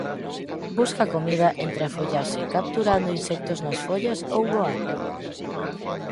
Busca comida entre a follaxe capturando insectos nas follas ou voando.